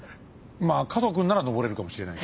まあ加藤君なら登れるかもしれない。